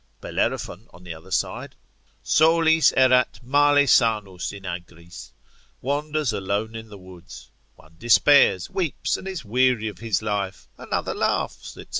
Bellerophon on the other side, solis errat male sanus in agris, wanders alone in the woods; one despairs, weeps, and is weary of his life, another laughs, &c.